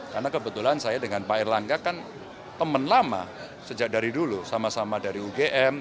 karena kebetulan saya dengan pak irlangga kan teman lama sejak dari dulu sama sama dari ugm